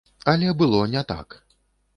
Але было не так.